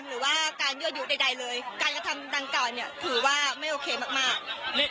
หรือว่าการเงิดอยู่ใดเลยการทำดั่งเก่าถือว่าไม่โอเคมาก